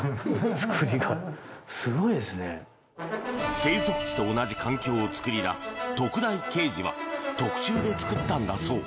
生息地と同じ環境を作り出す特大ケージは特注で作ったんだそう。